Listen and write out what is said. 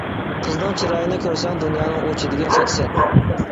قىزنىڭ چىرايىنى كۆرسەڭ دۇنيانىڭ ئۇ چېتىگە قاچىسەن!